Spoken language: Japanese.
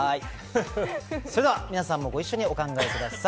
それでは皆さんもご一緒にお考えください。